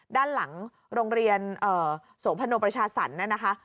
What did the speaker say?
ด้านหลังโรงเรียนโสมพนมประชาศรรย์นั้นนะคะ